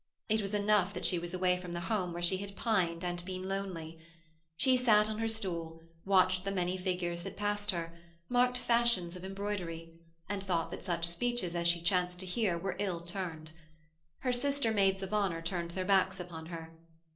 It was enough that she was away from the home where she had pined and been lonely. She sat on her stool, watched the many figures that passed her, marked fashions of embroidery, and thought that such speeches as she chanced to hear were ill turned. Her sister Maids of Honour turned their backs upon her.